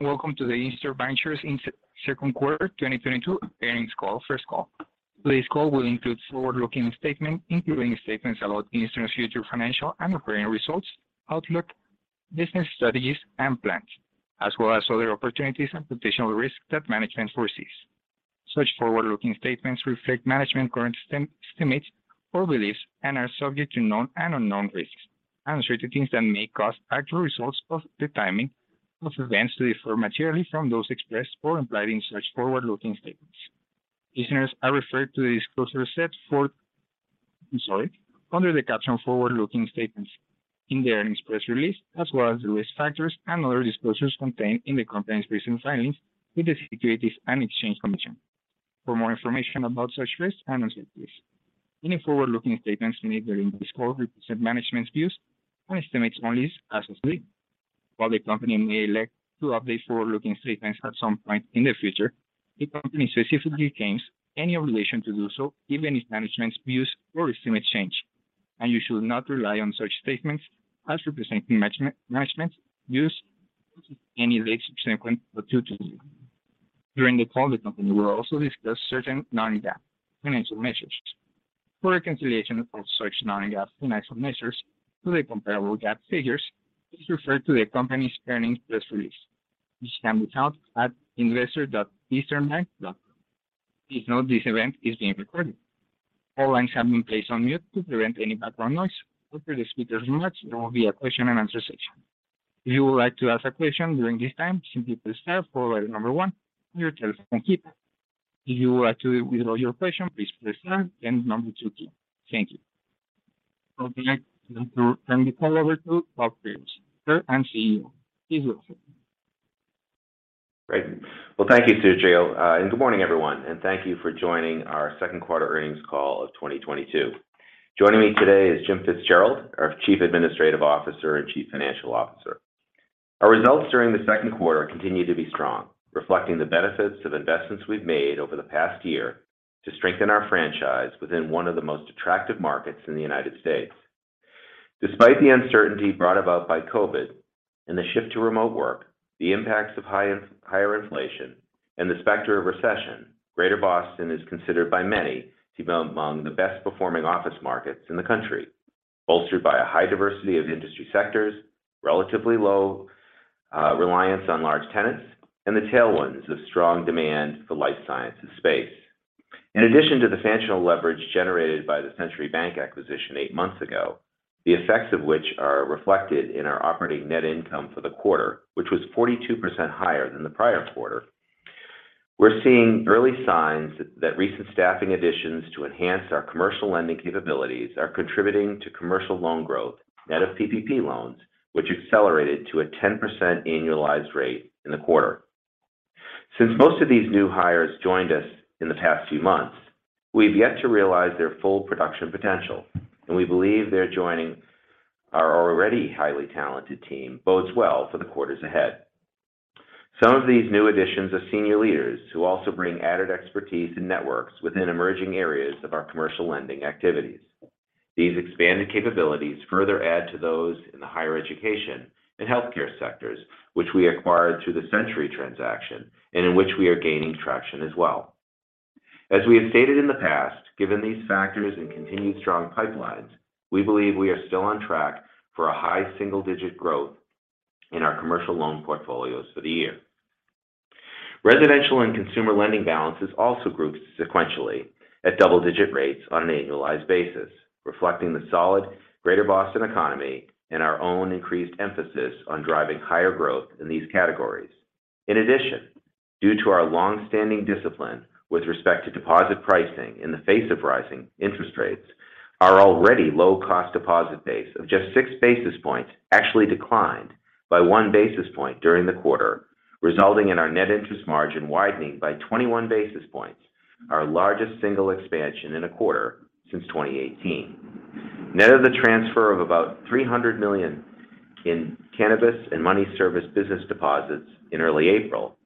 Welcome to the Eastern Bankshares, Inc.'s second quarter 2022 earnings call. Today's call will include forward-looking statements, including statements about Eastern's future financial and operating results, outlook, business strategies and plans, as well as other opportunities and potential risks that management foresees. Such forward-looking statements reflect management's current estimates or beliefs and are subject to known and unknown risks and uncertainties that may cause actual results or the timing of events to differ materially from those expressed or implied in such forward-looking statements. Listeners are referred to the disclosures set forth under the caption Forward-Looking Statements in the earnings press release, as well as the risk factors and other disclosures contained in the company's recent filings with the Securities and Exchange Commission. For more information about such risks and uncertainties. Any forward-looking statements made during this call represent management's views and estimates only as of today. While the company may elect to update forward-looking statements at some point in the future, the company specifically disclaims any obligation to do so, even if management's views or estimates change, and you should not rely on such statements as representing management's views on any date subsequent to today. During the call, the company will also discuss certain non-GAAP financial measures. For a reconciliation of such non-GAAP financial measures to the comparable GAAP figures, please refer to the company's earnings press release, which can be found at investor.easternbank.com. Please note this event is being recorded. All lines have been placed on mute to prevent any background noise. After the speakers have finished, there will be a question-and-answer session. If you would like to ask a question during this time, simply press star followed by number one on your telephone keypad. If you would like to withdraw your question, please press star then number two key. Thank you. I would like to now turn the call over to Bob Rivers, President and CEO. Please go ahead. Great. Well, thank you, Sergio. Good morning, everyone, and thank you for joining our second quarter earnings call of 2022. Joining me today is Jim Fitzgerald, our Chief Administrative Officer and Chief Financial Officer. Our results during the second quarter continue to be strong, reflecting the benefits of investments we've made over the past year to strengthen our franchise within one of the most attractive markets in the United States. Despite the uncertainty brought about by COVID and the shift to remote work, the impacts of higher inflation, and the specter of recession, Greater Boston is considered by many to be among the best performing office markets in the country, bolstered by a high diversity of industry sectors, relatively low reliance on large tenants, and the tailwinds of strong demand for life sciences space. In addition to the financial leverage generated by the Century Bank acquisition eight months ago, the effects of which are reflected in our operating net income for the quarter, which was 42% higher than the prior quarter. We're seeing early signs that recent staffing additions to enhance our commercial lending capabilities are contributing to commercial loan growth net of PPP loans, which accelerated to a 10% annualized rate in the quarter. Since most of these new hires joined us in the past few months, we've yet to realize their full production potential, and we believe their joining our already highly talented team bodes well for the quarters ahead. Some of these new additions of senior leaders who also bring added expertise and networks within emerging areas of our commercial lending activities. These expanded capabilities further add to those in the higher education and healthcare sectors which we acquired through the Century transaction and in which we are gaining traction as well. As we have stated in the past, given these factors and continued strong pipelines, we believe we are still on track for a high single-digit growth in our commercial loan portfolios for the year. Residential and consumer lending balances also grew sequentially at double-digit rates on an annualized basis, reflecting the solid greater Boston economy and our own increased emphasis on driving higher growth in these categories. In addition, due to our long-standing discipline with respect to deposit pricing in the face of rising interest rates, our already low cost deposit base of just 6 basis points actually declined by 1 basis point during the quarter, resulting in our net interest margin widening by 21 basis points, our largest single expansion in a quarter since 2018. Net of the transfer of about $300 million in cannabis and money service business deposits in early April,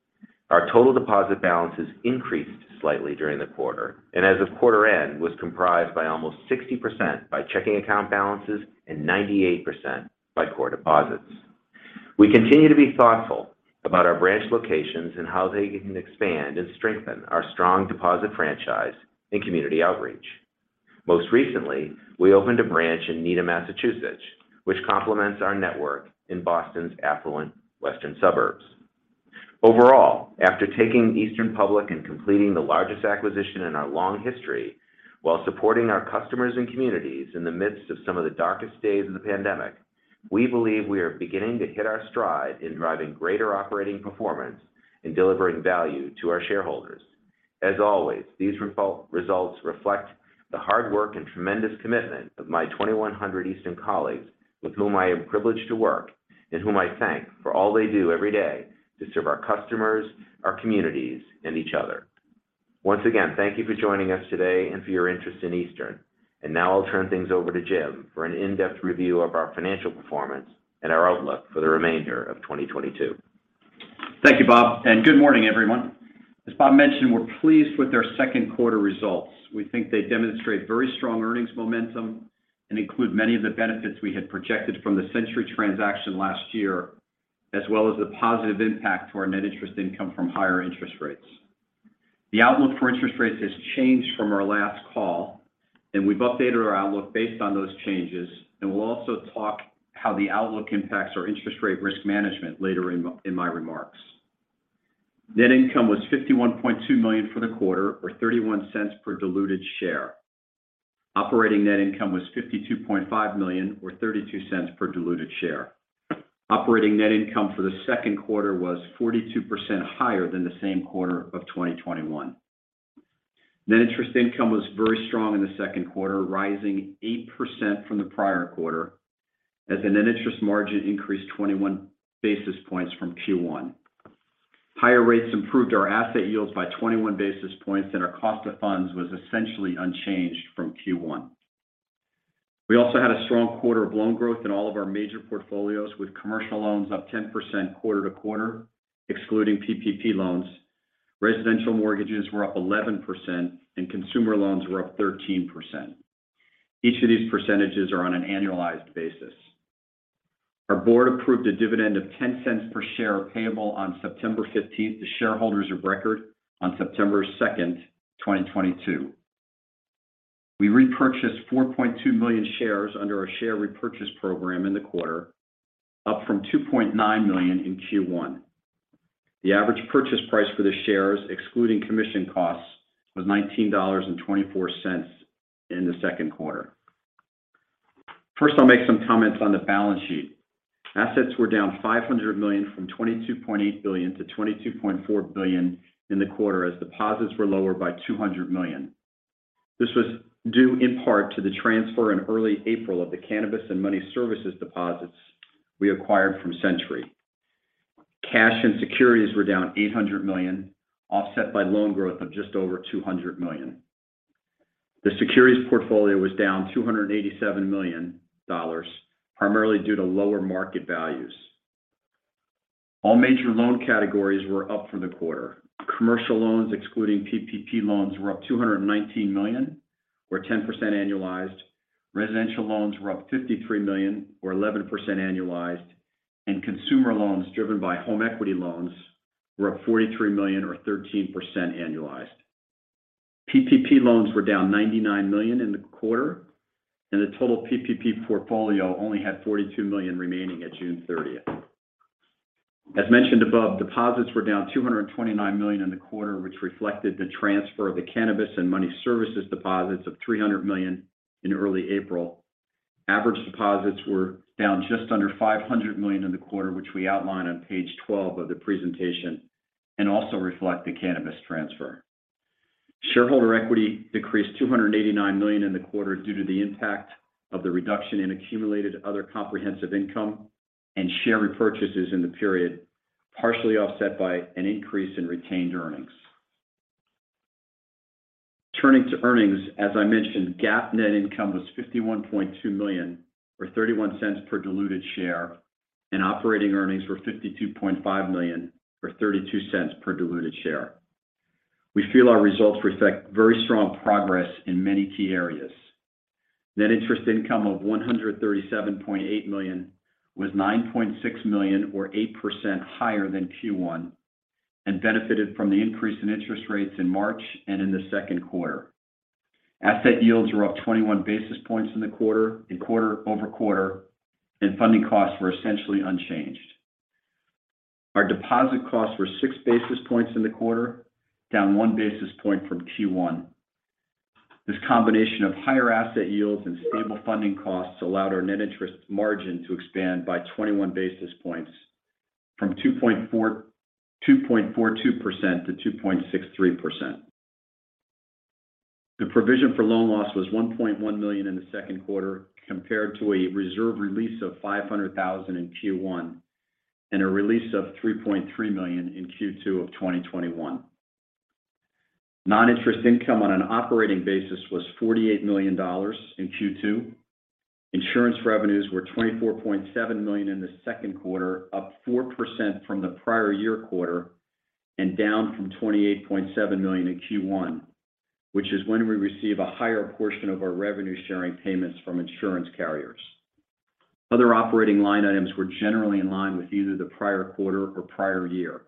our total deposit balances increased slightly during the quarter, and as of quarter end, was comprised by almost 60% by checking account balances and 98% by core deposits. We continue to be thoughtful about our branch locations and how they can expand and strengthen our strong deposit franchise and community outreach. Most recently, we opened a branch in Needham, Massachusetts, which complements our network in Boston's affluent western suburbs. Overall, after taking Eastern public and completing the largest acquisition in our long history while supporting our customers and communities in the midst of some of the darkest days of the pandemic, we believe we are beginning to hit our stride in driving greater operating performance and delivering value to our shareholders. As always, these results reflect the hard work and tremendous commitment of my 2,100 Eastern colleagues with whom I am privileged to work and whom I thank for all they do every day to serve our customers, our communities, and each other. Once again, thank you for joining us today and for your interest in Eastern. Now I'll turn things over to Jim for an in-depth review of our financial performance and our outlook for the remainder of 2022. Thank you, Bob, and good morning everyone. As Bob mentioned, we're pleased with their second quarter results. We think they demonstrate very strong earnings momentum and include many of the benefits we had projected from the Century transaction last year, as well as the positive impact to our net interest income from higher interest rates. The outlook for interest rates has changed from our last call, and we've updated our outlook based on those changes, and we'll also talk about how the outlook impacts our interest rate risk management later in my remarks. Net income was $51.2 million for the quarter, or $0.31 per diluted share. Operating net income was $52.5 million or $0.32 per diluted share. Operating net income for the second quarter was 42% higher than the same quarter of 2021. Net interest income was very strong in the second quarter, rising 8% from the prior quarter as the net interest margin increased 21 basis points from Q1. Higher rates improved our asset yields by 21 basis points, and our cost of funds was essentially unchanged from Q1. We also had a strong quarter of loan growth in all of our major portfolios with commercial loans up 10% quarter-to-quarter, excluding PPP loans. Residential mortgages were up 11% and consumer loans were up 13%. Each of these percentages are on an annualized basis. Our board approved a dividend of $0.10 per share payable on September fifteenth to shareholders of record on September second, 2022. We repurchased 4.2 million shares under our share repurchase program in the quarter, up from 2.9 million in Q1. The average purchase price for the shares, excluding commission costs, was $19.24 in the second quarter. First, I'll make some comments on the balance sheet. Assets were down $500 million from $22.8 billion to $22.4 billion in the quarter as deposits were lower by $200 million. This was due in part to the transfer in early April of the cannabis and money service business deposits we acquired from Century. Cash and securities were down $800 million, offset by loan growth of just over $200 million. The securities portfolio was down $287 million, primarily due to lower market values. All major loan categories were up for the quarter. Commercial loans, excluding PPP loans, were up $219 million or 10% annualized. Residential loans were up $53 million or 11% annualized, and consumer loans driven by home equity loans were up $43 million or 13% annualized. PPP loans were down $99 million in the quarter, and the total PPP portfolio only had $42 million remaining at June 30. As mentioned above, deposits were down $229 million in the quarter, which reflected the transfer of the cannabis and money service business deposits of $300 million in early April. Average deposits were down just under $500 million in the quarter, which we outline on page 12 of the presentation and also reflect the cannabis transfer. Shareholder equity decreased $289 million in the quarter due to the impact of the reduction in accumulated other comprehensive income and share repurchases in the period, partially offset by an increase in retained earnings. Turning to earnings, as I mentioned, GAAP net income was $51.2 million or $0.31 per diluted share, and operating earnings were $52.5 million or $0.32 per diluted share. We feel our results reflect very strong progress in many key areas. Net interest income of $137.8 million was $9.6 million or 8% higher than Q1 and benefited from the increase in interest rates in March and in the second quarter. Asset yields were up 21 basis points quarter-over-quarter, and funding costs were essentially unchanged. Our deposit costs were 6 basis points in the quarter, down 1 basis point from Q1. This combination of higher asset yields and stable funding costs allowed our net interest margin to expand by 21 basis points from 2.42% to 2.63%. The provision for loan loss was $1.1 million in the second quarter compared to a reserve release of $500 thousand in Q1 and a release of $3.3 million in Q2 of 2021. Non-interest income on an operating basis was $48 million in Q2. Insurance revenues were $24.7 million in the second quarter, up 4% from the prior year quarter and down from $28.7 million in Q1, which is when we receive a higher portion of our revenue-sharing payments from insurance carriers. Other operating line items were generally in line with either the prior quarter or prior year.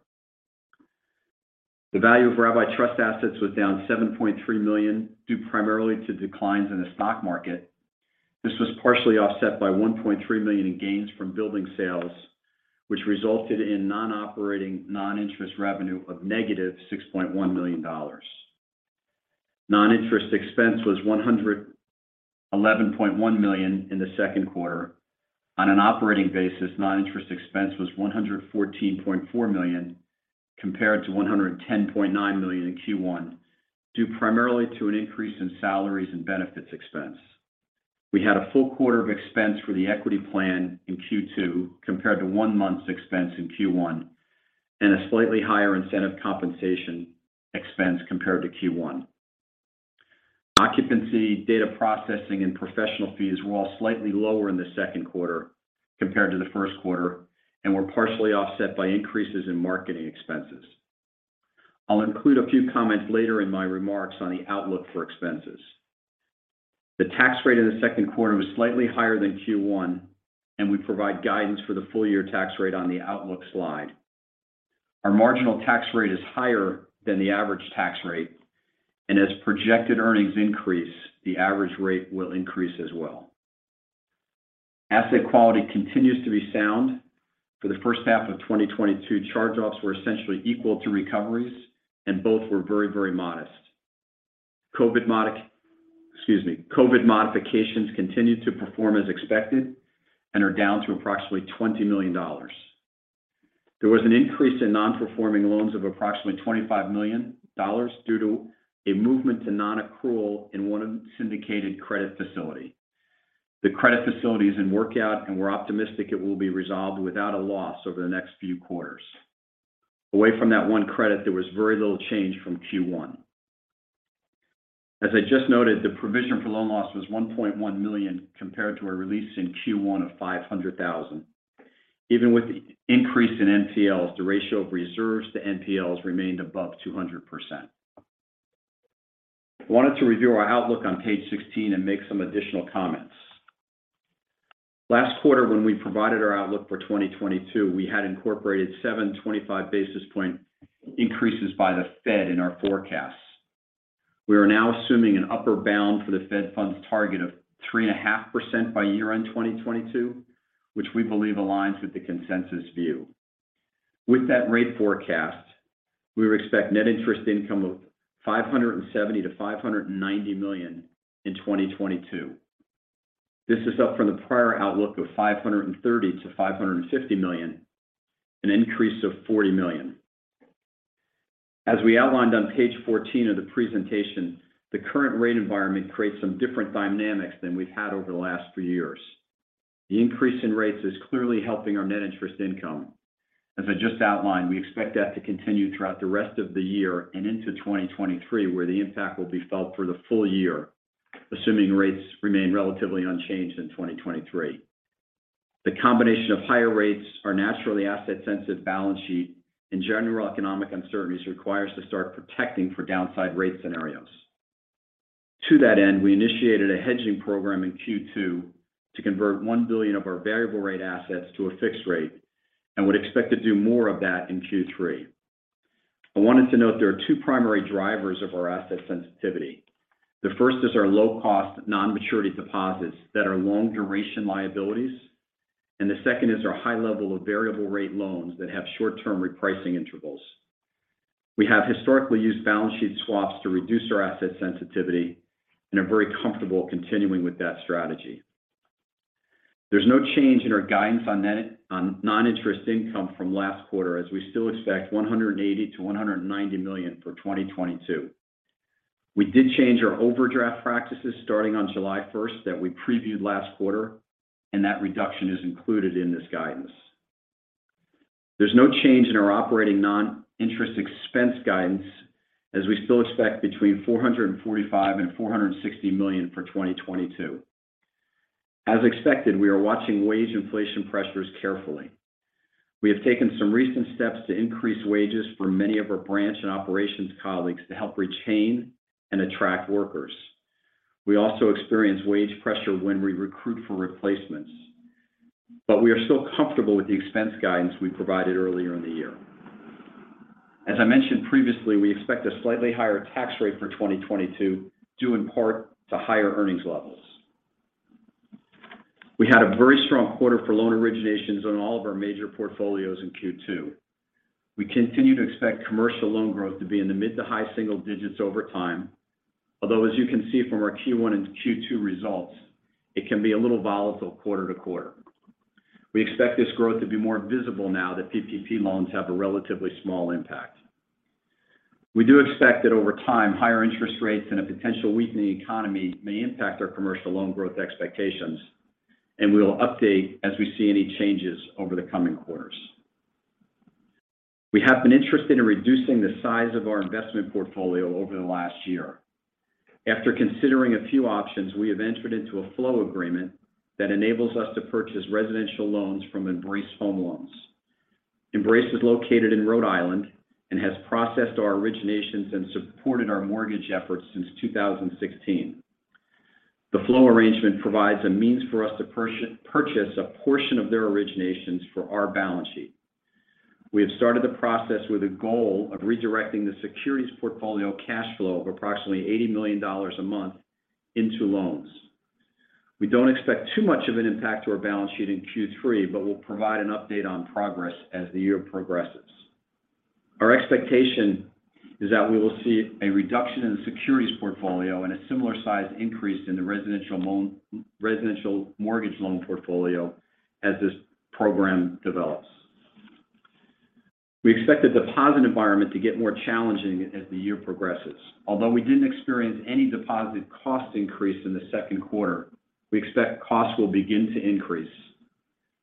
The value of Rabbi Trust assets was down $7.3 million, due primarily to declines in the stock market. This was partially offset by $1.3 million in gains from building sales, which resulted in non-operating, non-interest revenue of -$6.1 million. Non-interest expense was $111.1 million in the second quarter. On an operating basis, non-interest expense was $114.4 million compared to $110.9 million in Q1, due primarily to an increase in salaries and benefits expense. We had a full quarter of expense for the equity plan in Q2 compared to one month's expense in Q1 and a slightly higher incentive compensation expense compared to Q1. Occupancy, data processing, and professional fees were all slightly lower in the second quarter compared to the first quarter, and were partially offset by increases in marketing expenses. I'll include a few comments later in my remarks on the outlook for expenses. The tax rate in the second quarter was slightly higher than Q1, and we provide guidance for the full year tax rate on the outlook slide. Our marginal tax rate is higher than the average tax rate, and as projected earnings increase, the average rate will increase as well. Asset quality continues to be sound. For the first half of 2022, charge-offs were essentially equal to recoveries, and both were very, very modest. COVID modifications. COVID modifications continued to perform as expected and are down to approximately $20 million. There was an increase in non-performing loans of approximately $25 million due to a movement to non-accrual in one syndicated credit facility. The credit facility is in workout, and we're optimistic it will be resolved without a loss over the next few quarters. Away from that one credit, there was very little change from Q1. As I just noted, the provision for loan loss was $1.1 million compared to a release in Q1 of $500 thousand. Even with the increase in NPLs, the ratio of reserves to NPLs remained above 200%. Wanted to review our outlook on page 16 and make some additional comments. Last quarter when we provided our outlook for 2022, we had incorporated 725 basis point increases by the Fed in our forecasts. We are now assuming an upper bound for the Fed funds target of 3.5% by year-end 2022, which we believe aligns with the consensus view. With that rate forecast, we would expect net interest income of $570 million-$590 million in 2022. This is up from the prior outlook of $530 million-$550 million, an increase of $40 million. As we outlined on page 14 of the presentation, the current rate environment creates some different dynamics than we've had over the last three years. The increase in rates is clearly helping our net interest income. As I just outlined, we expect that to continue throughout the rest of the year and into 2023, where the impact will be felt for the full year, assuming rates remain relatively unchanged in 2023. The combination of higher rates, our naturally asset-sensitive balance sheet, and general economic uncertainties requires to start protecting for downside rate scenarios. To that end, we initiated a hedging program in Q2 to convert $1 billion of our variable rate assets to a fixed rate and would expect to do more of that in Q3. I wanted to note there are two primary drivers of our asset sensitivity. The first is our low-cost non-maturity deposits that are long-duration liabilities, and the second is our high level of variable rate loans that have short-term repricing intervals. We have historically used balance sheet swaps to reduce our asset sensitivity and are very comfortable continuing with that strategy. There's no change in our guidance on non-interest income from last quarter, as we still expect $180 million-$190 million for 2022. We did change our overdraft practices starting on July 1 that we previewed last quarter, and that reduction is included in this guidance. There's no change in our operating non-interest expense guidance, as we still expect between $445 million and $460 million for 2022. As expected, we are watching wage inflation pressures carefully. We have taken some recent steps to increase wages for many of our branch and operations colleagues to help retain and attract workers. We also experience wage pressure when we recruit for replacements. We are still comfortable with the expense guidance we provided earlier in the year. As I mentioned previously, we expect a slightly higher tax rate for 2022, due in part to higher earnings levels. We had a very strong quarter for loan originations on all of our major portfolios in Q2. We continue to expect commercial loan growth to be in the mid to high single digits over time. Although, as you can see from our Q1 and Q2 results, it can be a little volatile quarter to quarter. We expect this growth to be more visible now that PPP loans have a relatively small impact. We do expect that over time, higher interest rates and a potential weakening economy may impact our commercial loan growth expectations, and we will update as we see any changes over the coming quarters. We have been interested in reducing the size of our investment portfolio over the last year. After considering a few options, we have entered into a flow agreement that enables us to purchase residential loans from Embrace Home Loans. Embrace is located in Rhode Island and has processed our originations and supported our mortgage efforts since 2016. The flow arrangement provides a means for us to purchase a portion of their originations for our balance sheet. We have started the process with a goal of redirecting the securities portfolio cash flow of approximately $80 million a month into loans. We don't expect too much of an impact to our balance sheet in Q3, but we'll provide an update on progress as the year progresses. Our expectation is that we will see a reduction in the securities portfolio and a similar size increase in the residential mortgage loan portfolio as this program develops. We expect the deposit environment to get more challenging as the year progresses. Although we didn't experience any deposit cost increase in the second quarter, we expect costs will begin to increase.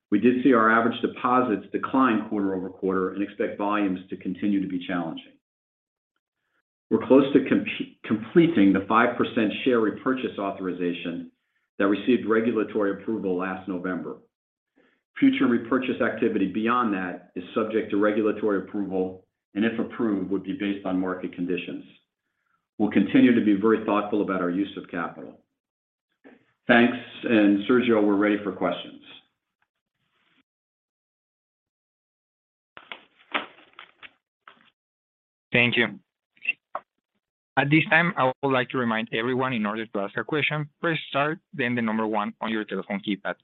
We did see our average deposits decline quarter-over-quarter and expect volumes to continue to be challenging. We're close to completing the 5% share repurchase authorization that received regulatory approval last November. Future repurchase activity beyond that is subject to regulatory approval, and if approved, would be based on market conditions. We'll continue to be very thoughtful about our use of capital. Thanks. And Sergio, we're ready for questions. Thank you. At this time, I would like to remind everyone, in order to ask a question, press star then the number one on your telephone keypad.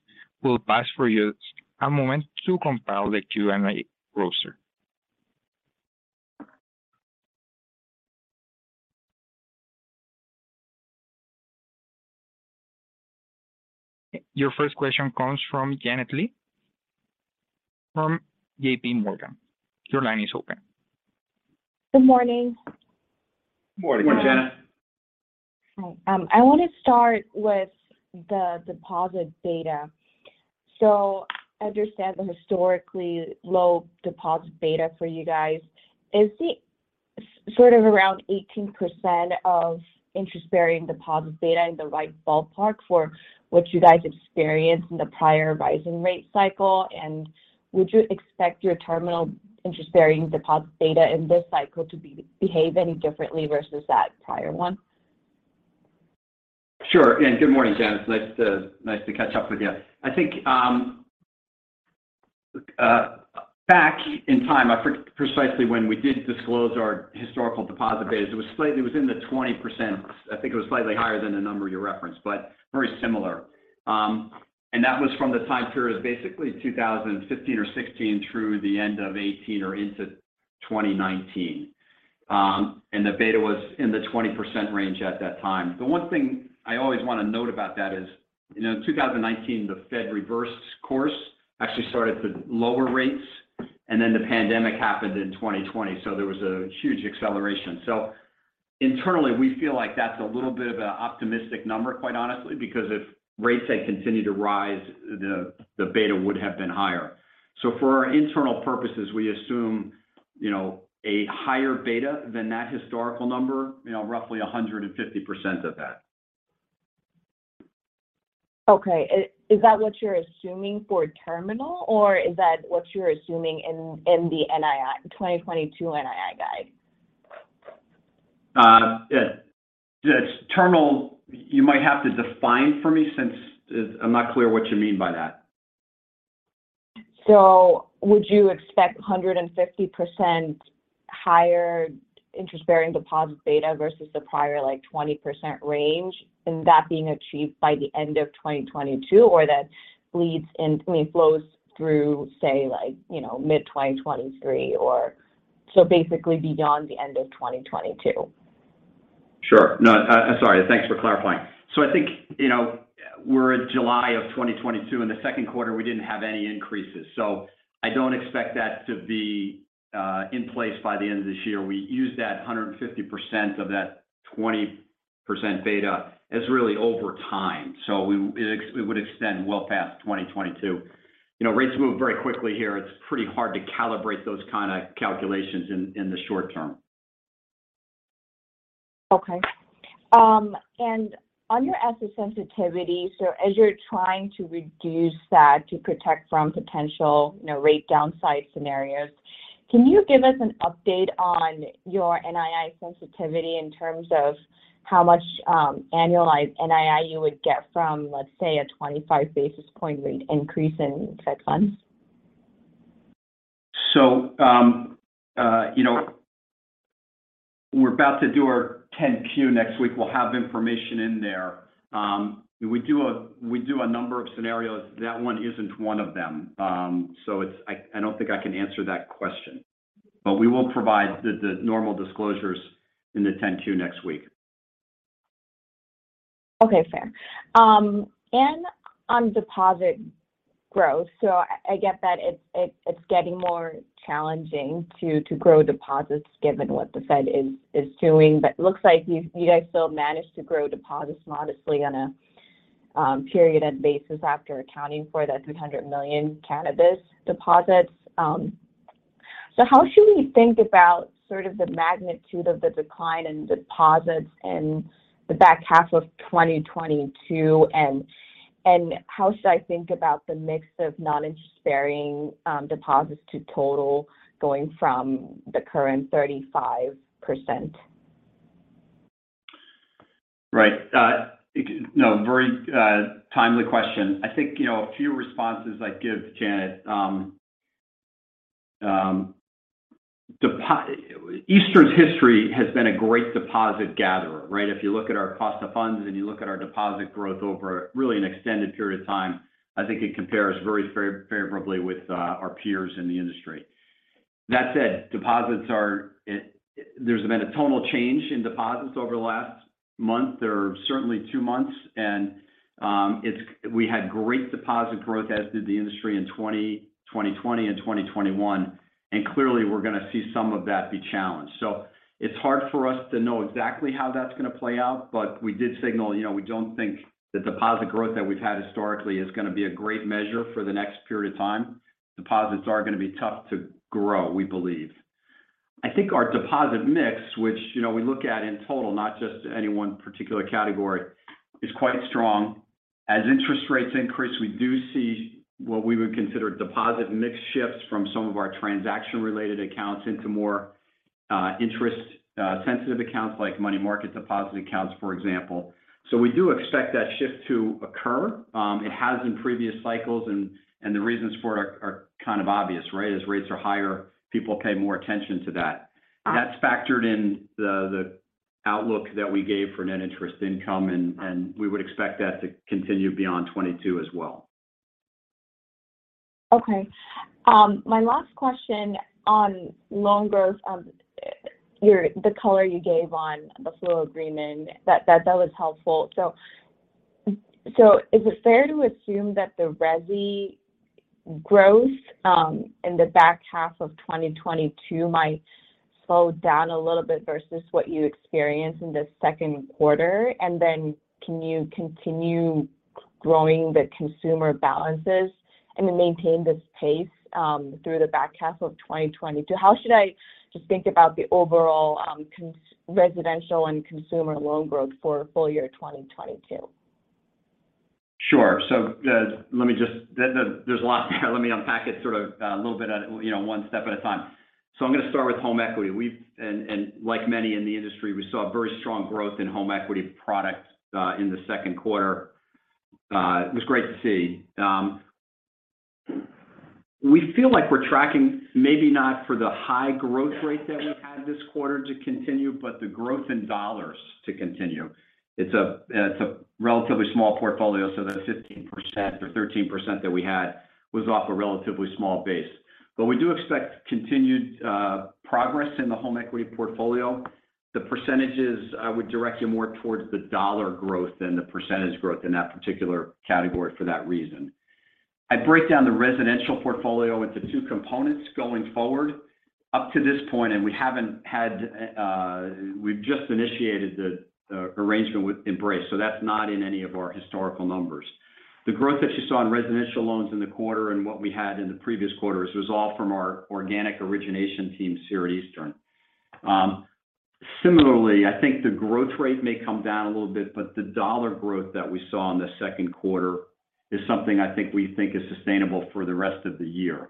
We'll pause for you a moment to compile the Q&A roster. Your first question comes from Janet Lee from JPMorgan. Your line is open. Good morning. Morning. Morning, Janet. Hi. I want to start with the deposit beta. I understand the historically low deposit beta for you guys. Is sort of around 18% of interest-bearing deposit beta in the right ballpark for what you guys experienced in the prior rising rate cycle? Would you expect your terminal interest-bearing deposit beta in this cycle to behave any differently versus that prior one? Sure. Good morning, Janet. It's nice to catch up with you. I think back in time, I forget precisely when we did disclose our historical deposit betas, it was slightly within the 20%. I think it was slightly higher than the number you referenced, but very similar. That was from the time period basically 2015 or 2016 through the end of 2018 or into 2019. The beta was in the 20% range at that time. The one thing I always want to note about that is, you know, in 2019, the Fed reversed course, actually started to lower rates, and then the pandemic happened in 2020, so there was a huge acceleration. Internally, we feel like that's a little bit of an optimistic number, quite honestly, because if rates had continued to rise, the beta would have been higher. For our internal purposes, we assume, you know, a higher beta than that historical number, you know, roughly 150% of that. Okay. Is that what you're assuming for terminal, or is that what you're assuming in the NII, the 2022 NII guide? Yeah. The terminal you might have to define for me. I'm not clear what you mean by that. Would you expect 150% higher interest-bearing deposit beta versus the prior, like, 20% range, and that being achieved by the end of 2022? Or that bleeds in, I mean, flows through, say, like, you know, mid-2023 or so basically beyond the end of 2022? Sure. No, sorry. Thanks for clarifying. I think, you know, we're in July of 2022. In the second quarter we didn't have any increases. I don't expect that to be in place by the end of this year. We use that 150% of that 20% beta as really over time. It would extend well past 2022. You know, rates move very quickly here. It's pretty hard to calibrate those kind of calculations in the short term. Okay. On your asset sensitivity, as you're trying to reduce that to protect from potential, you know, rate downside scenarios, can you give us an update on your NII sensitivity in terms of how much, annualized NII you would get from, let's say, a 25 basis point rate increase in Fed funds? You know, we're about to do our 10-Q next week. We'll have information in there. We do a number of scenarios. That one isn't one of them. I don't think I can answer that question. We will provide the normal disclosures in the 10-Q next week. Okay, fair. On deposit growth, I get that it's getting more challenging to grow deposits given what the Fed is doing. Looks like you guys still managed to grow deposits modestly on a period end basis after accounting for that $300 million cannabis deposits. How should we think about sort of the magnitude of the decline in deposits in the back half of 2022? How should I think about the mix of non-interest-bearing deposits to total going from the current 35%? Right. You know, very timely question. I think, you know, a few responses I'd give, Janet. Eastern's history has been a great deposit gatherer, right? If you look at our cost of funds and you look at our deposit growth over really an extended period of time, I think it compares very favorably with our peers in the industry. That said, deposits are. There's been a tonal change in deposits over the last month or certainly two months. We had great deposit growth, as did the industry in 2020 and 2021. Clearly, we're gonna see some of that be challenged. It's hard for us to know exactly how that's gonna play out. We did signal, you know, we don't think the deposit growth that we've had historically is gonna be a great measure for the next period of time. Deposits are gonna be tough to grow, we believe. I think our deposit mix, which, you know, we look at in total, not just any one particular category, is quite strong. As interest rates increase, we do see what we would consider deposit mix shifts from some of our transaction-related accounts into more interest-sensitive accounts, like money market deposit accounts, for example. We do expect that shift to occur. It has in previous cycles, and the reasons for it are kind of obvious, right? As rates are higher, people pay more attention to that. That's factored in the outlook that we gave for net interest income, and we would expect that to continue beyond 2022 as well. Okay. My last question on loan growth, the color you gave on the flow agreement, that was helpful. Is it fair to assume that the resi growth in the back half of 2022 might slow down a little bit versus what you experienced in the second quarter? Can you continue growing the consumer balances and then maintain this pace through the back half of 2022? How should I just think about the overall residential and consumer loan growth for full year 2022? Sure. Let me unpack it sort of, a little bit at, you know, one step at a time. I'm gonna start with home equity. Like many in the industry, we saw very strong growth in home equity products in the second quarter. It was great to see. We feel like we're tracking maybe not for the high growth rate that we've had this quarter to continue, but the growth in dollars to continue. It's a relatively small portfolio, so that 15% or 13% that we had was off a relatively small base. We do expect continued progress in the home equity portfolio. The percentages, I would direct you more towards the dollar growth than the percentage growth in that particular category for that reason. I'd break down the residential portfolio into two components going forward. Up to this point, we've just initiated the arrangement with Embrace, so that's not in any of our historical numbers. The growth that you saw in residential loans in the quarter and what we had in the previous quarters was all from our organic origination team, our Eastern. Similarly, I think the growth rate may come down a little bit, but the dollar growth that we saw in the second quarter is something I think is sustainable for the rest of the year.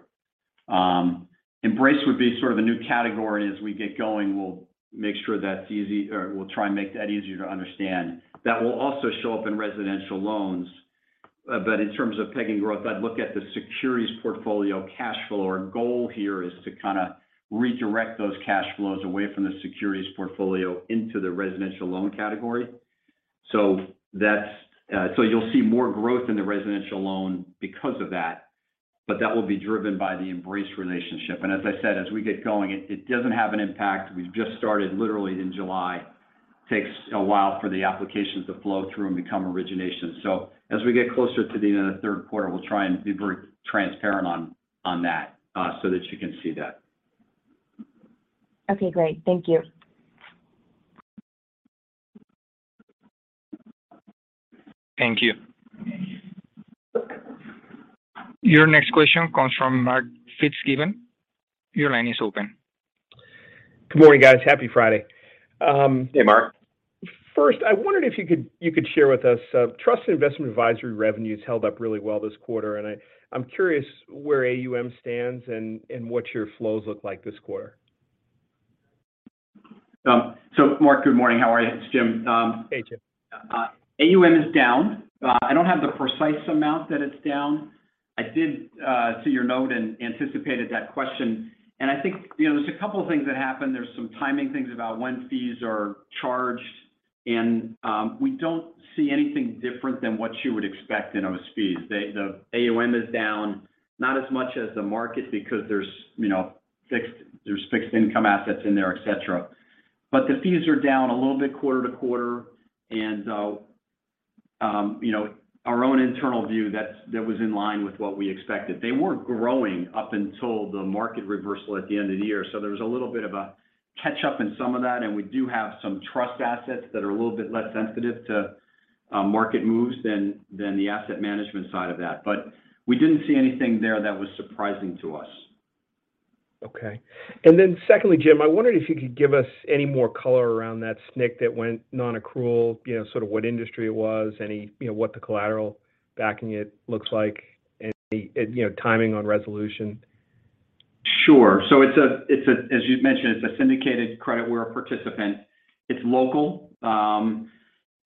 Embrace would be sort of a new category. As we get going, we'll make sure that's easy, or we'll try and make that easier to understand. That will also show up in residential loans. In terms of pegging growth, I'd look at the securities portfolio cash flow. Our goal here is to kind of redirect those cash flows away from the securities portfolio into the residential loan category. So that's, so you'll see more growth in the residential loan because of that, but that will be driven by the Embrace relationship. As I said, as we get going, it doesn't have an impact. We've just started literally in July. Takes a while for the applications to flow through and become originations. As we get closer to the end of the third quarter, we'll try and be very transparent on that so that you can see that. Okay, great. Thank you. Thank you. Your next question comes from Mark Fitzgibbon. Your line is open. Good morning, guys. Happy Friday. Hey, Mark. First, I wondered if you could share with us trust investment advisory revenues held up really well this quarter, and I'm curious where AUM stands and what your flows look like this quarter. Mark, good morning. How are you? It's Jim. Hey, Jim. AUM is down. I don't have the precise amount that it's down. I did see your note and anticipated that question. I think, you know, there's a couple of things that happened. There's some timing things about when fees are charged. We don't see anything different than what you would expect in those fees. The AUM is down, not as much as the market because there's, you know, fixed income assets in there, et cetera. The fees are down a little bit quarter to quarter. You know, our own internal view, that was in line with what we expected. They were growing up until the market reversal at the end of the year. There was a little bit of a catch-up in some of that, and we do have some trust assets that are a little bit less sensitive to market moves than the asset management side of that. We didn't see anything there that was surprising to us. Okay. Secondly, Jim, I wondered if you could give us any more color around that SNC that went non-accrual, you know, sort of what industry it was, any, you know, what the collateral backing it looks like, any, you know, timing on resolution? Sure. As you've mentioned, it's a syndicated credit. We're a participant. It's local.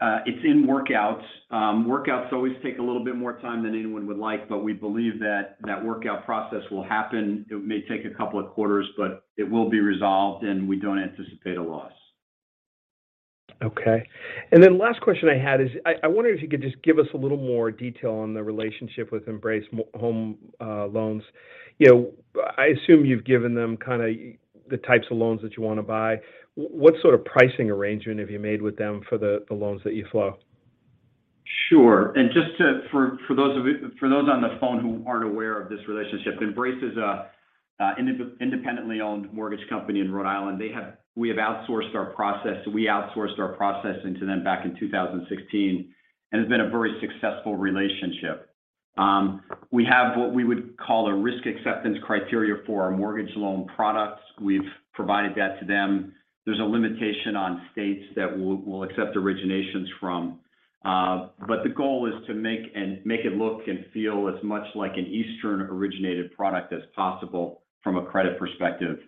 It's in workouts. Workouts always take a little bit more time than anyone would like, but we believe that workout process will happen. It may take a couple of quarters, but it will be resolved, and we don't anticipate a loss. Okay. Last question I had is I wonder if you could just give us a little more detail on the relationship with Embrace Home Loans. You know, I assume you've given them kind of the types of loans that you want to buy. What sort of pricing arrangement have you made with them for the loans that you flow? Sure. Just to for those on the phone who aren't aware of this relationship, Embrace is a independently owned mortgage company in Rhode Island. We have outsourced our process. We outsourced our processing to them back in 2016, and it's been a very successful relationship. We have what we would call a risk acceptance criteria for our mortgage loan products. We've provided that to them. There's a limitation on states that we'll accept originations from. But the goal is to make it look and feel as much like an Eastern originated product as possible from a credit perspective.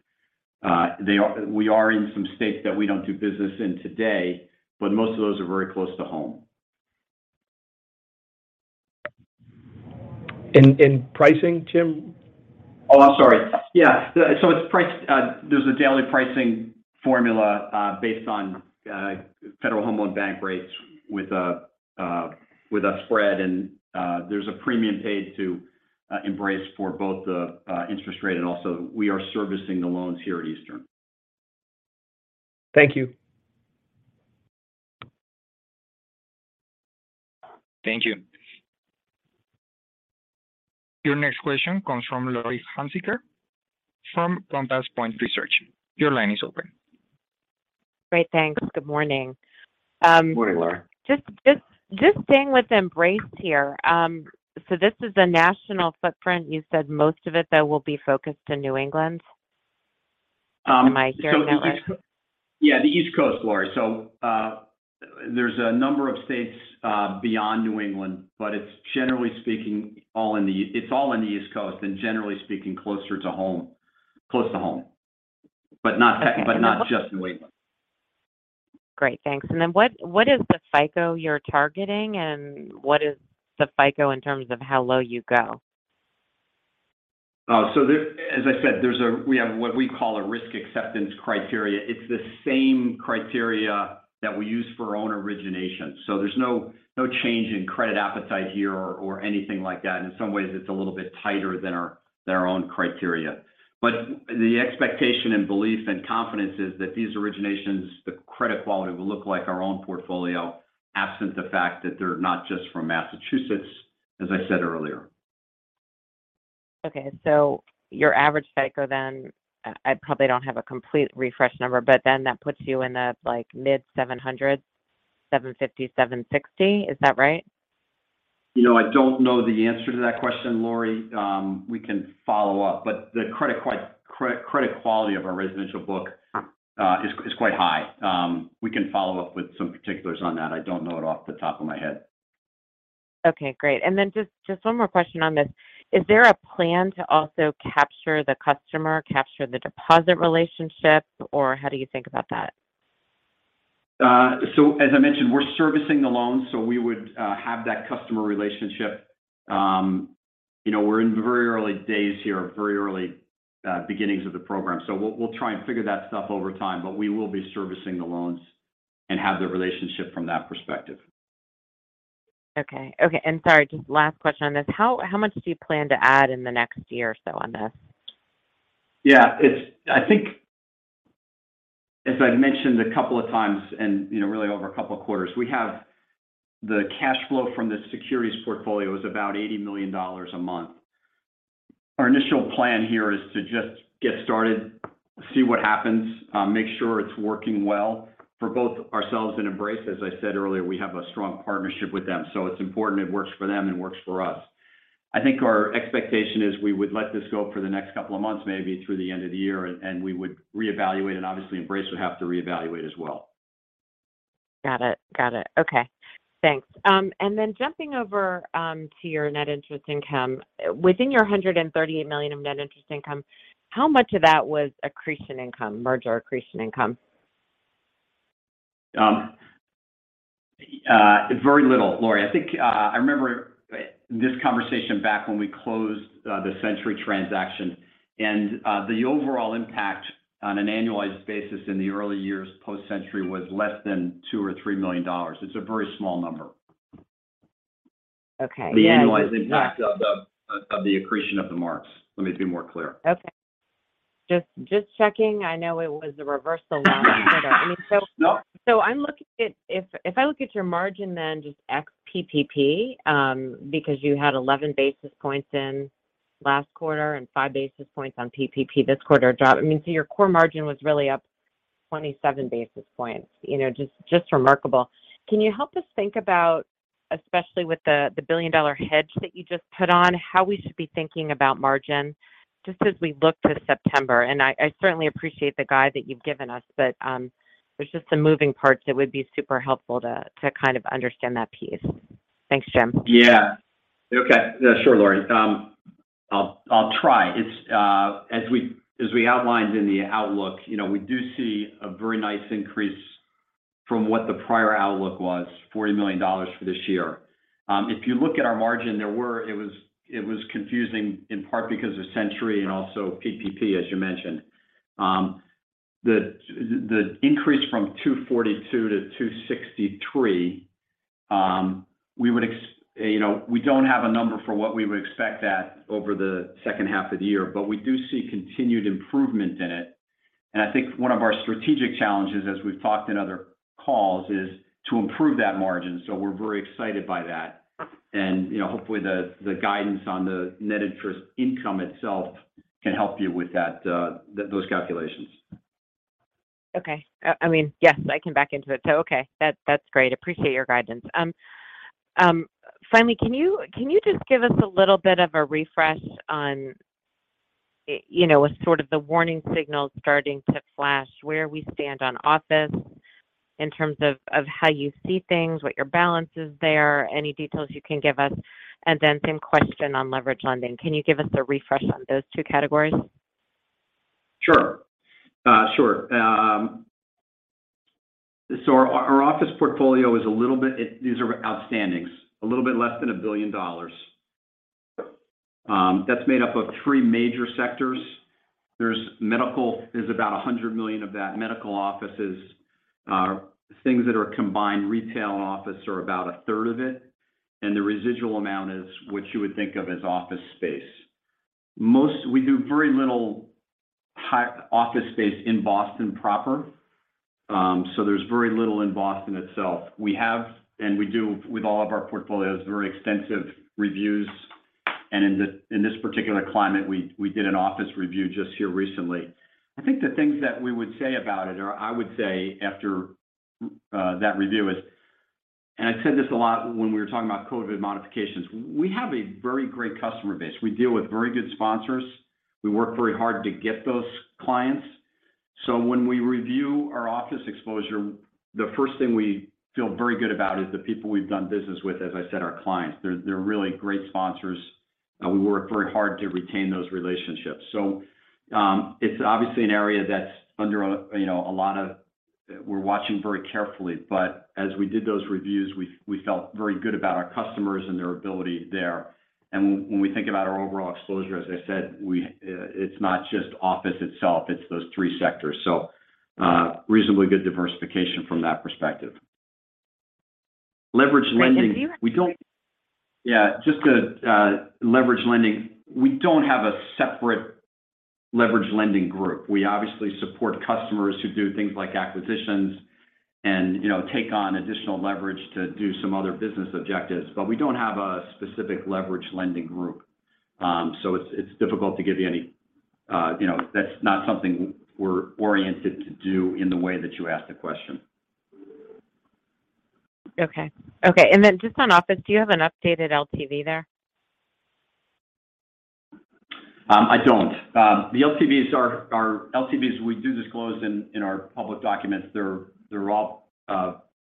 We are in some states that we don't do business in today, but most of those are very close to home. In pricing, Jim? Oh, I'm sorry. Yeah. It's priced. There's a daily pricing formula based on Federal Home Loan Bank rates with a spread. There's a premium paid to Embrace for both the interest rate, and also we are servicing the loans here at Eastern. Thank you. Thank you. Your next question comes from Laurie Hunsicker from Compass Point Research. Your line is open. Great. Thanks. Good morning. Morning, Laurie. Just staying with Embrace here. This is a national footprint. You said most of it, though, will be focused in New England. Am I hearing that right? Yeah, the East Coast, Laurie. There's a number of states beyond New England, but it's generally speaking all in the East Coast, and generally speaking, closer to home. Close to home. But not just New England. Great. Thanks. What is the FICO you're targeting, and what is the FICO in terms of how low you go? As I said, we have what we call a risk acceptance criteria. It's the same criteria that we use for our own origination. There's no change in credit appetite here or anything like that. In some ways, it's a little bit tighter than our own criteria. The expectation and belief and confidence is that these originations, the credit quality will look like our own portfolio, absent the fact that they're not just from Massachusetts, as I said earlier. Okay. Your average FICO then, I probably don't have a complete refresh number, but then that puts you in the, like, mid-700, 750, 760. Is that right? You know, I don't know the answer to that question, Laurie. We can follow up. The credit quality of our residential book is quite high. We can follow up with some particulars on that. I don't know it off the top of my head. Okay, great. Just one more question on this. Is there a plan to also capture the customer, capture the deposit relationship, or how do you think about that? As I mentioned, we're servicing the loans, so we would have that customer relationship. You know, we're in the very early days here, very early beginnings of the program. We'll try and figure that stuff over time, but we will be servicing the loans and have the relationship from that perspective. Okay, sorry, just last question on this. How much do you plan to add in the next year or so on this? Yeah. It's, I think, as I'd mentioned a couple of times and, you know, really over a couple of quarters, we have the cash flow from the securities portfolio is about $80 million a month. Our initial plan here is to just get started, see what happens, make sure it's working well for both ourselves and Embrace. As I said earlier, we have a strong partnership with them, so it's important it works for them and works for us. I think our expectation is we would let this go for the next couple of months, maybe through the end of the year, and we would reevaluate, and obviously Embrace would have to reevaluate as well. Got it. Okay. Thanks. Jumping over to your net interest income. Within your $138 million of net interest income, how much of that was accretion income, merger accretion income? Very little, Laurie. I think, I remember this conversation back when we closed the Century transaction. The overall impact on an annualized basis in the early years post-Century was less than $2 or $3 million. It's a very small number. Okay. The annualized impact of the accretion of the marks. Let me be more clear. Okay. Just checking. I know it was a reversal last quarter. I mean, No I'm looking at if I look at your margin then just ex PPP, because you had 11 basis points in last quarter and 5 basis points on PPP this quarter drop. I mean, your core margin was really up 27 basis points. You know, just remarkable. Can you help us think about, especially with the billion-dollar hedge that you just put on, how we should be thinking about margin just as we look to September? I certainly appreciate the guide that you've given us, but there's just some moving parts that would be super helpful to kind of understand that piece. Thanks, Jim. Yeah. Okay. Sure, Laurie. I'll try. It's as we outlined in the outlook, you know, we do see a very nice increase from what the prior outlook was, $40 million for this year. If you look at our margin, it was confusing in part because of Century and also PPP, as you mentioned. The increase from 2.42% to 2.63%, you know, we don't have a number for what we would expect that over the second half of the year, but we do see continued improvement in it. I think one of our strategic challenges, as we've talked in other calls, is to improve that margin. We're very excited by that. You know, hopefully the guidance on the net interest income itself can help you with that, those calculations. Okay. I mean, yes, I can back into it. Okay. That's great. Appreciate your guidance. Finally, can you just give us a little bit of a refresh on, you know, sort of the warning signals starting to flash where we stand on office in terms of how you see things, what your balance is there, any details you can give us? Same question on leveraged lending. Can you give us a refresh on those two categories? Sure. Sure. So our office portfolio is a little bit less than $1 billion. These are outstandings. That's made up of three major sectors. There's medical. There's about $100 million of that medical offices. Things that are combined retail and office are about a third of it, and the residual amount is what you would think of as office space. We do very little high-rise office space in Boston proper, so there's very little in Boston itself. We have, and we do with all of our portfolios, very extensive reviews. In this particular climate, we did an office review just recently. I think the things that we would say about it, or I would say after that review is. I said this a lot when we were talking about COVID modifications. We have a very great customer base. We deal with very good sponsors. We work very hard to get those clients. When we review our office exposure, the first thing we feel very good about is the people we've done business with, as I said, our clients. They're really great sponsors. We work very hard to retain those relationships. It's obviously an area. We're watching very carefully. As we did those reviews, we felt very good about our customers and their ability there. When we think about our overall exposure, as I said, we, it's not just office itself, it's those three sectors. Reasonably good diversification from that perspective. Leveraged lending- Do you have any- Yeah, just to, leverage lending. We don't have a separate leverage lending group. We obviously support customers who do things like acquisitions and, you know, take on additional leverage to do some other business objectives. But we don't have a specific leverage lending group. So it's difficult to give you any, you know, that's not something we're oriented to do in the way that you asked the question. Okay. Just on office, do you have an updated LTV there? I don't. The LTVs are LTVs we do disclose in our public documents. They're all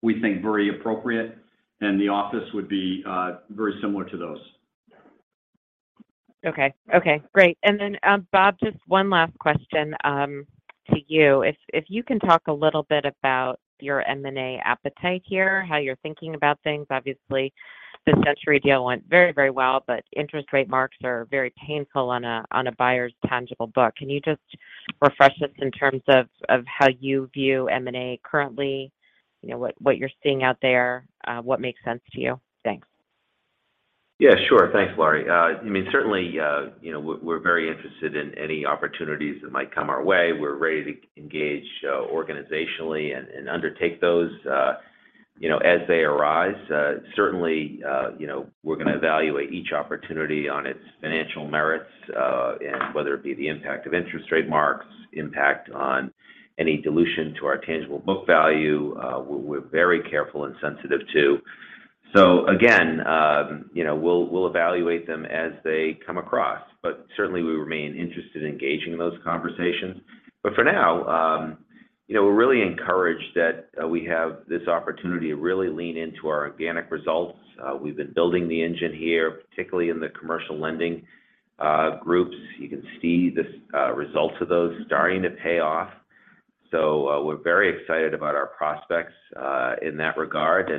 we think very appropriate, and the office would be very similar to those. Okay. Okay, great. Bob, just one last question to you. If you can talk a little bit about your M&A appetite here, how you're thinking about things. Obviously, the Century deal went very, very well, but interest rate marks are very painful on a buyer's tangible book. Can you just refresh us in terms of how you view M&A currently, you know, what you're seeing out there, what makes sense to you? Thanks. Yeah, sure. Thanks, Laurie. I mean, certainly, you know, we're very interested in any opportunities that might come our way. We're ready to engage, organizationally and undertake those, you know, as they arise. Certainly, you know, we're gonna evaluate each opportunity on its financial merits, and whether it be the impact of interest rate marks, impact on any dilution to our tangible book value, we're very careful and sensitive to. Again, you know, we'll evaluate them as they come across, but certainly we remain interested in engaging in those conversations. For now, you know, we're really encouraged that we have this opportunity to really lean into our organic results. We've been building the engine here, particularly in the commercial lending groups. You can see the results of those starting to pay off. We're very excited about our prospects in that regard.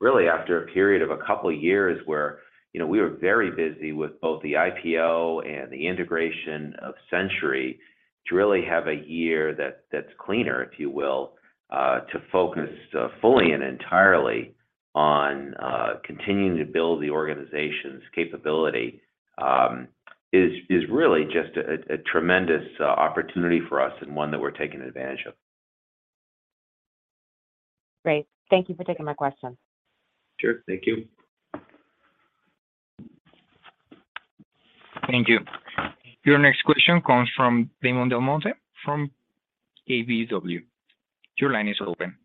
Really, after a period of a couple years where, you know, we were very busy with both the IPO and the integration of Century to really have a year that's cleaner, if you will, to focus fully and entirely on continuing to build the organization's capability, is really just a tremendous opportunity for us and one that we're taking advantage of. Great. Thank you for taking my question. Sure. Thank you. Thank you. Your next question comes from Damon DelMonte from KBW. Your line is open.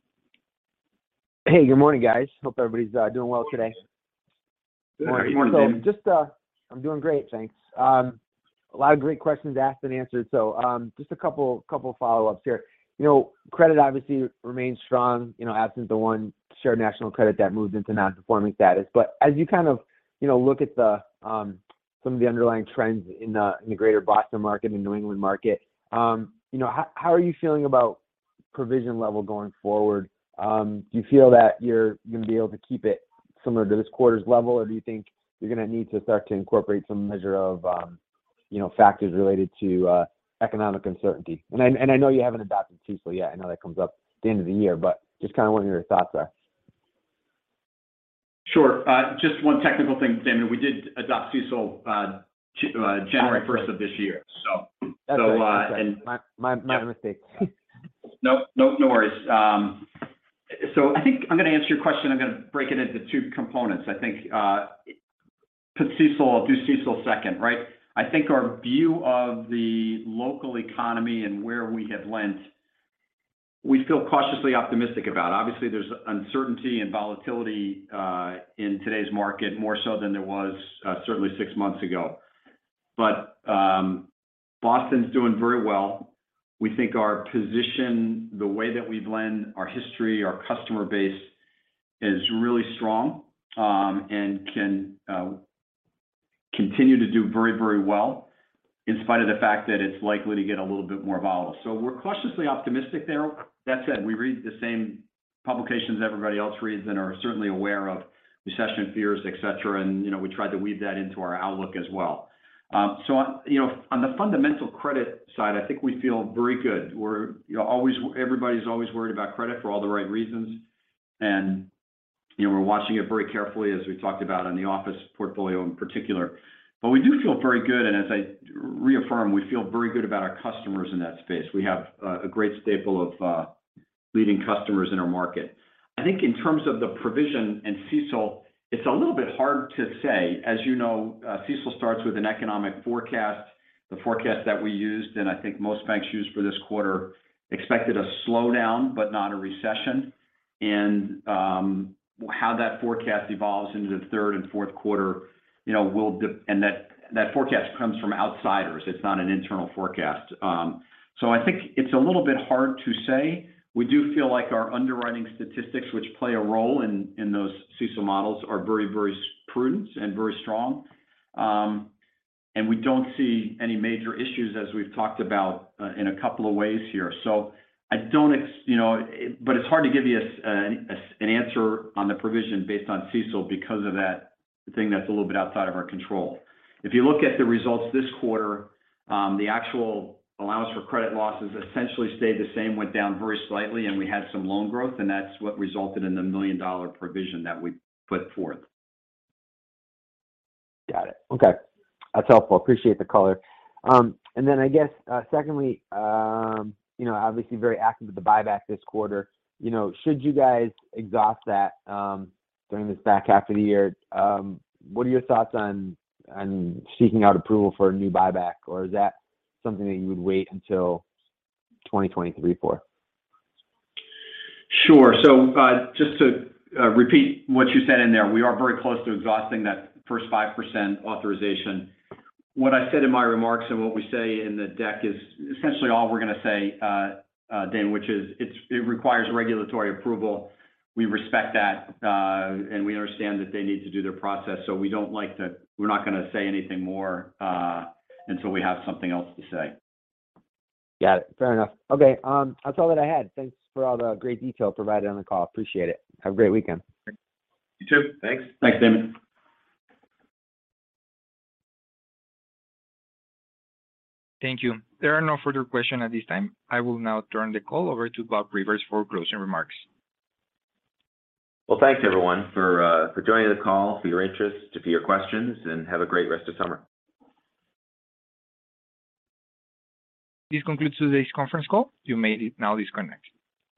Hey, good morning, guys. Hope everybody's doing well today. Morning. Morning, Damon. Just, I'm doing great, thanks. A lot of great questions asked and answered. Just a couple follow-ups here. You know, credit obviously remains strong, you know, absent the one Shared National Credit that moved into non-accrual status. As you kind of, you know, look at some of the underlying trends in the greater Boston market, in the New England market, you know, how are you feeling about provision level going forward? Do you feel that you're gonna be able to keep it similar to this quarter's level, or do you think you're gonna need to start to incorporate some measure of, you know, factors related to economic uncertainty? I know you haven't adopted CECL yet. I know that comes up at the end of the year, but just kind of want your thoughts there. Sure. Just one technical thing, Damon. We did adopt CECL, January first of this year. That's right. That's right. So, uh, and- My mistake. Nope. No, no worries. I think I'm gonna answer your question, I'm gonna break it into two components. I think, put CECL, do CECL second, right? I think our view of the local economy and where we have lent, we feel cautiously optimistic about. Obviously, there's uncertainty and volatility, in today's market, more so than there was, certainly six months ago. Boston's doing very well. We think our position, the way that we lend, our history, our customer base is really strong, and can continue to do very, very well in spite of the fact that it's likely to get a little bit more volatile. We're cautiously optimistic there. That said, we read the same publications everybody else reads and are certainly aware of recession fears, et cetera, and, you know, we try to weave that into our outlook as well. You know, on the fundamental credit side, I think we feel very good. We're, you know, everybody's always worried about credit for all the right reasons. You know, we're watching it very carefully as we talked about on the office portfolio in particular. We do feel very good, and as I reaffirm, we feel very good about our customers in that space. We have a great stable of leading customers in our market. I think in terms of the provision in CECL, it's a little bit hard to say. As you know, CECL starts with an economic forecast. The forecast that we used, and I think most banks used for this quarter, expected a slowdown, but not a recession. How that forecast evolves into the third and fourth quarter, you know, and that forecast comes from outsiders. It's not an internal forecast. I think it's a little bit hard to say. We do feel like our underwriting statistics, which play a role in those CECL models, are very, very prudent and very strong. We don't see any major issues as we've talked about in a couple of ways here. I don't, you know. It's hard to give you an answer on the provision based on CECL because of that thing that's a little bit outside of our control. If you look at the results this quarter, the actual allowance for credit losses essentially stayed the same, went down very slightly, and we had some loan growth, and that's what resulted in the $1 million provision that we put forth. Got it. Okay. That's helpful. Appreciate the color. I guess, secondly, you know, obviously very active with the buyback this quarter. You know, should you guys exhaust that during this back half of the year, what are your thoughts on seeking out approval for a new buyback? Or is that something that you would wait until 2023 for? Sure. Just to repeat what you said in there, we are very close to exhausting that first 5% authorization. What I said in my remarks and what we say in the deck is essentially all we're gonna say, Dam, which is it requires regulatory approval. We respect that, and we understand that they need to do their process, so we don't like to. We're not gonna say anything more until we have something else to say. Got it. Fair enough. Okay, that's all that I had. Thanks for all the great detail provided on the call. Appreciate it. Have a great weekend. You too. Thanks. Thanks, Damon. Thank you. There are no further questions at this time. I will now turn the call over to Bob Rivers for closing remarks. Well, thanks everyone for joining the call, for your interest, for your questions, and have a great rest of summer. This concludes today's conference call. You may now disconnect.